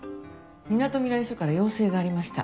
みなとみらい署から要請がありました。